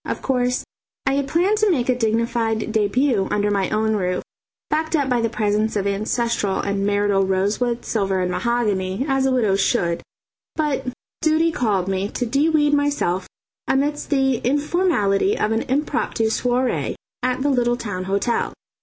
Of course, I had planned to make a dignified debut under my own roof, backed up by the presence of ancestral and marital rosewood, silver and mahogany, as a widow should; but duty called me to de weed myself amidst the informality of an impromptu soirée at the little town hotel.